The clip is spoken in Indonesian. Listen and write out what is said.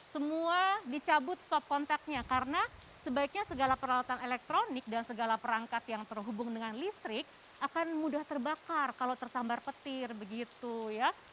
semua dicabut stop kontaknya karena sebaiknya segala peralatan elektronik dan segala perangkat yang terhubung dengan listrik akan mudah terbakar kalau tersambar petir begitu ya